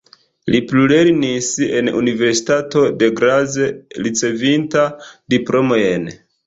Li plulernis en universitato de Graz ricevinta diplomojn.